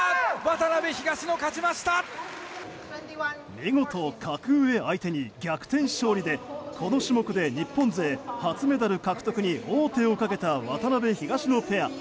見事格上相手に逆転勝利でこの種目で日本勢初メダル獲得に王手をかけた渡辺、東野ペア。